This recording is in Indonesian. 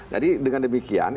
jadi dengan demikian